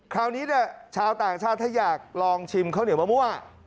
คราวนี้เนี่ยชาวต่างชาติถ้าอยากลองชิมข้าวเหนียวมะมั่ว